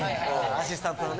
アシスタントのね。